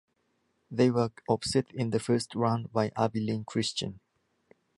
They were upset in the First Round by Abilene Christian.